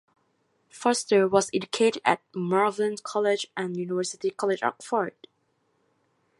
Foster was educated at Malvern College and University College, Oxford.